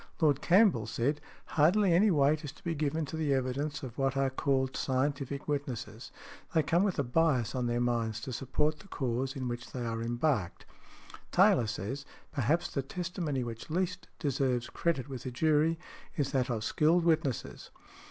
Lord Campbell said, "Hardly any weight is to be given to the evidence of what are called scientific witnesses: they come with a bias on their minds to support the cause in which they are embarked" . Taylor says, "Perhaps the testimony which least deserves credit with a jury is that of skilled witnesses.